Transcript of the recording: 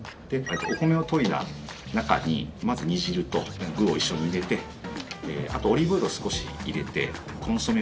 お米を研いだ中にまず、煮汁と具を一緒に入れてあとオリーブオイルを少し入れてコンソメ。